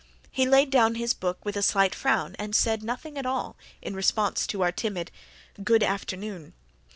He laid down his book with a slight frown and said nothing at all in response to our timid "good afternoon."